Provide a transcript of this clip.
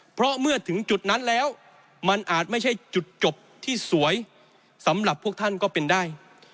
เพราะเมื่อถึงจุดนั้นแล้วมันอาจไม่ใช่จุดจบที่สวยสำหรับพวกท่านก็เป็นได้